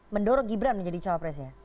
mendorong gibran menjadi cawapres ya